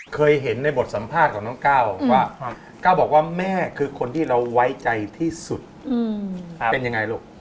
เคยเห็นในบทสัมภาษณ์ของน้องก้าวว่าก้าวบอกว่าแม่คือคนที่เราไว้ใจที่สุดเป็นยังไงลูก